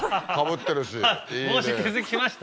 あっ帽子気付きました？